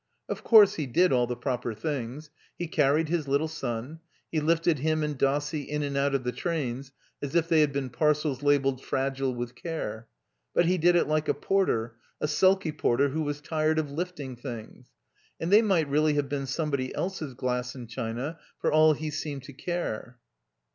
Of course, he did all the proper things. He car ried his little son. He lifted him and Dossie in and out of the trains as if they had been parcels labeled Fragile, with Care." But he did it like a porter, a sulky porter who was tired of lifting things; and they might really have been somebody else's glass and china for all he seemed to care.